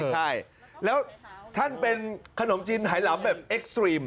ใช่แล้วท่านเป็นขนมจีนไหลำแบบเอ็กซ์ตรีม